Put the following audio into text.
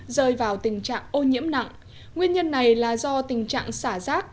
rơi vào tình trạng ô nhiễm nặng nguyên nhân này là do tình trạng xả rác